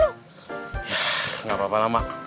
yaa gapapa lah ma